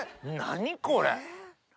何やこれ。